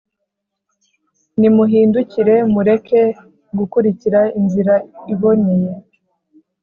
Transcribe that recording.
Nimuhindukire, mureke gukurikira inzira iboneye,